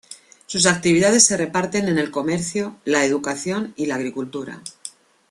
Sus actividades se reparten en el comercio, la educación y la agricultura.